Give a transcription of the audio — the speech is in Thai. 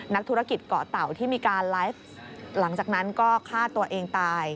นักธุรกิจเกาะเต่าที่มีการไลฟ์หลังจากนั้นก็ฆ่าตัวเองตาย